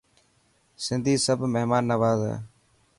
سنڌي سب مهمان نواز هي.